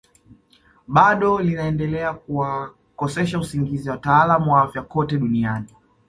Bado linaendelea kuwakosesha usingizi wataalamu wa afya kote duniani